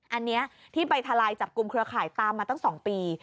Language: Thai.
อันนี้ที่ไปทลายจับกลุ่มเครือข่ายตามมาตั้ง๒ปี